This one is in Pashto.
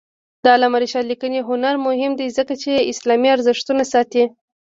د علامه رشاد لیکنی هنر مهم دی ځکه چې اسلامي ارزښتونه ساتي.